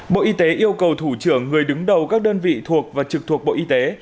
bộ y tế yêu cầu thủ trưởng người đứng đầu các đơn vị thuộc và trực thuộc bộ y tế